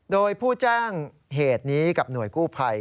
โดยผู้แจ้งเหตุนี้กับหน่วยกู้ภัย